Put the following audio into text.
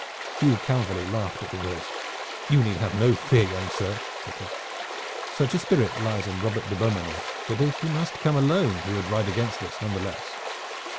Hugh Calverly laughed at the words. "You need have no fear, young sir," said he. "Such a spirit lies in Robert de Beaumanoir that if he must come alone he would ride against us none the less.